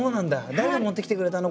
誰が持ってきてくれたの？